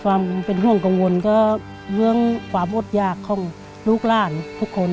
ความเป็นห่วงกังวลก็เรื่องความอดยากของลูกหลานทุกคน